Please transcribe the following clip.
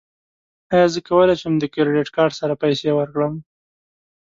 ایا زه کولی شم د کریډیټ کارت سره پیسې ورکړم؟